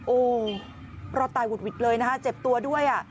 โอ้รอดตายหุดหวิดเลยนะคะเจ็บตัวด้วย